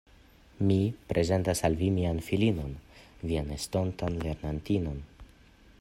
Mi prezentas al vi mian filinon, vian estontan lernantinon.